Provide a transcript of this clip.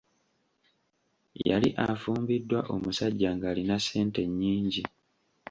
Yali afumbiddwa omusajja ng'alina ssente nyingi.